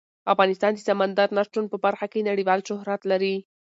افغانستان د سمندر نه شتون په برخه کې نړیوال شهرت لري.